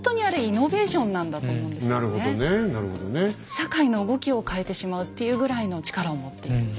社会の動きを変えてしまうというぐらいの力を持っているという。